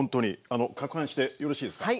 あのかくはんしてよろしいですか？